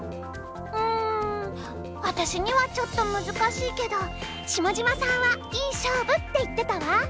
うん私にはちょっと難しいけど下島さんはいい勝負って言ってたわ！